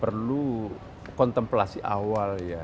perlu kontemplasi awal ya